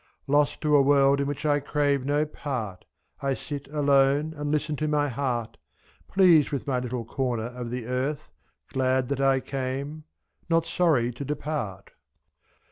Lost to a world in which I crave no part, I sit alone and listen to my heart, 37. Pleased with my little corner of the earth. Glad that I came — not sorry to depart.